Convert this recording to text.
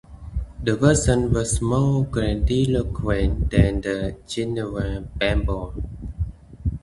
The version was more grandiloquent than the Geneva Bible.